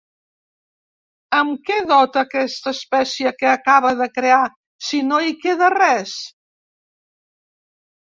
Amb què dote aquesta espècie que acabe de crear, si no hi queda res?